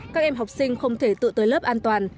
các em học sinh không thể tự tới lớp an toàn